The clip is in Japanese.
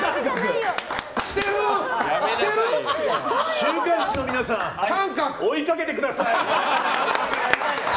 週刊誌の皆さん追いかけてください！